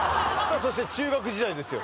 そして中学時代ですよ